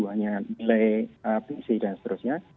hanya milik apc dan seterusnya